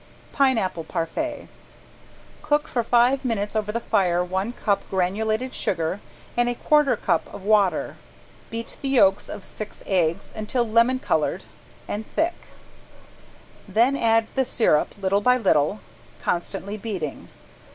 ~PINEAPPLE PARFAIT~ Cook for five minutes over the fire one cup granulated sugar and a quarter cup of water. Beat the yolks of six eggs until lemon colored and thick, then add the sirup little by little, constantly beating.